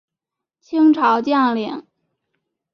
清朝将领。